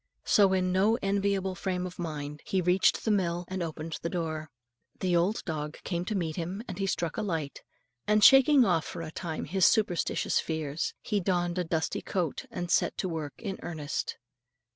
So, in no enviable frame of mind, he reached the mill and opened the door. The old dog came to meet him, and he struck a light, and shaking off for a time his superstitious fears, he donned a dusty coat, and set to work in earnest.